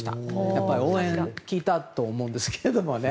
やっぱり応援効いたと思うんですがね。